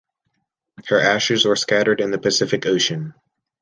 Her ashes were scattered in the Pacific Ocean.